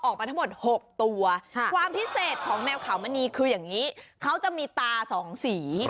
กาลข่าวมณีเป็นแมวมงคลแมวไทย